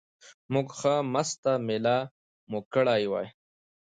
موږ ښه مسته مېله مو کړې وای.